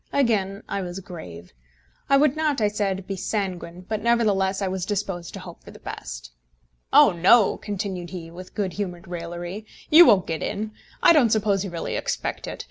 Again I was grave. I would not, I said, be sanguine, but nevertheless I was disposed to hope for the best. "Oh no!" continued he, with good humoured raillery, "you won't get in. I don't suppose you really expect it.